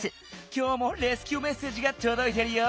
きょうもレスキューメッセージがとどいてるよ！